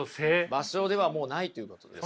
場所ではもうないということです。